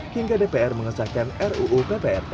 hingga dpr mengesahkan ruu pprt